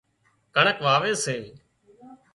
ڪڻڪ واوي سي